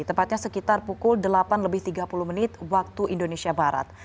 tepatnya sekitar pukul delapan lebih tiga puluh menit waktu indonesia barat